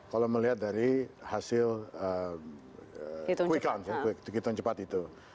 kalau melihat dari hasil quick count kikitung cepat itu